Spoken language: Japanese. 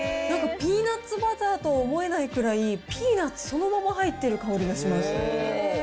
なんか、ピーナッツバターとは思えないくらい、ピーナッツそのまま入ってる香りがします。